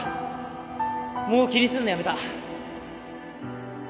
もう気にすんのやめた！